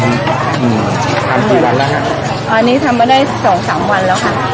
อืมสามสี่วันแล้วฮะอันนี้ทำมาได้สองสามวันแล้วค่ะ